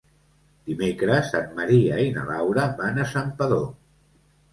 Dimecres en Maria i na Laura van a Santpedor.